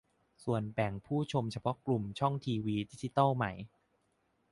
ส่วนแบ่งผู้ชมเฉพาะกลุ่มช่องทีวีดิจิตอลใหม่